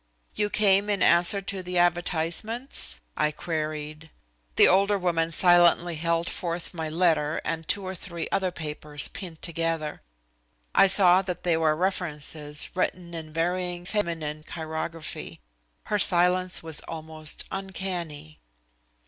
"You came in answer to the advertisements?" I queried. The older woman silently held forth my letter and two or three other papers pinned together. I saw that they were references written in varying feminine chirography. Her silence was almost uncanny.